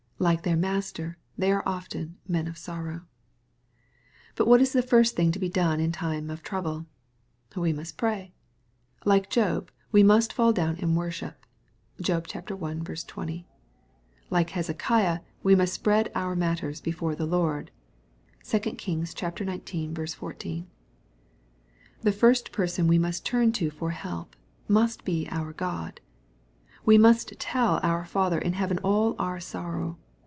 Like their Master, they are often " men of sorrow/' But what is the first thing to be done in time of trouble ? We must pray. — LikeJob^ we must fall down and worship. (Job i. 20.) Like Hezekiah, we must spread our matters before the Lord. (2 Kings xix. 14.) The first person we must turn to for help, must be our God. We must tell our Father in heaven all our sorrow.